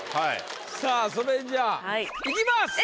さぁそれじゃあいきます！